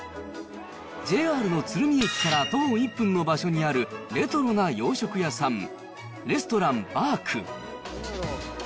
ＪＲの鶴見駅から徒歩１分の場所にある、レトロな洋食屋さん、レストランばーく。